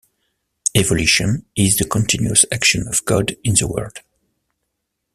Evolution is the continuous action of God in the world.